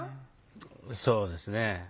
そうですね。